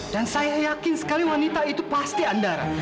dan saya yakin sekali wanita itu pasti andara